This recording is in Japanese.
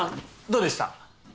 どうでした？